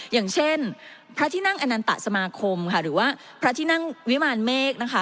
อย่างเช่นพระที่นั่งอนันตสมาคมค่ะหรือว่าพระที่นั่งวิมารเมฆนะคะ